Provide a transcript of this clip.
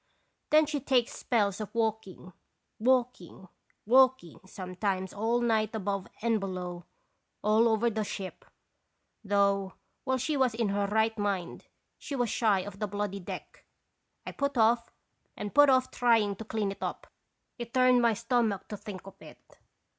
Then she takes spells of walking, walking, walking sometimes all night above and below, all over the ship ; though, while she was in her right mind, she was shy of the bloody deck. I put off and put off trying to clean it up ; it turned my stomach to think of it.